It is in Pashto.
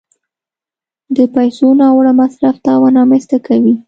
د پیسو ناوړه مصرف تاوان رامنځته کوي.